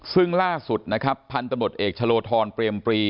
ซึ่งล่าสุดนะครับพันธบทเอกชะโลทอนเปรียมปรี